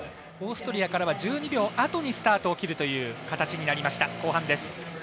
オーストリアからは１２秒あとにスタートを切るという形になった後半です。